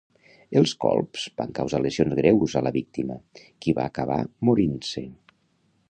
Els colps van causar lesions greus a la víctima, qui va acabar morint-se.